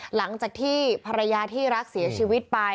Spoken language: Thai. หลังจากที่ภรรยาที่รักเสียชีวิตไป